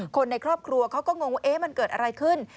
คนในครอบครัวเขาก็งงว่ามันเกิดอะไรขึ้น